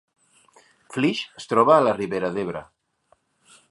Flix es troba a la Ribera d’Ebre